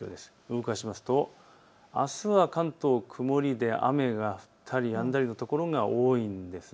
動かしますとあすは関東、曇りで雨が降ったりやんだりの所が多いんです。